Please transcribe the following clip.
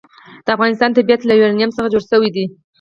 د افغانستان طبیعت له یورانیم څخه جوړ شوی دی.